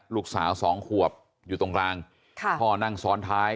ลูกสาวสองขวบอยู่ตรงกลางค่ะพ่อนั่งซ้อนท้าย